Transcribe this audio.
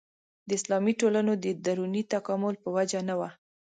د اسلامي ټولنو د دروني تکامل په وجه نه وه.